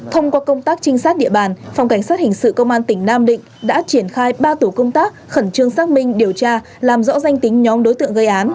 thông qua công tác trinh sát địa bàn phòng cảnh sát hình sự công an tỉnh nam định đã triển khai ba tổ công tác khẩn trương xác minh điều tra làm rõ danh tính nhóm đối tượng gây án